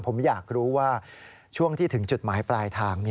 ผมอยากรู้ว่าช่วงที่ถึงจุดหมายปลายทาง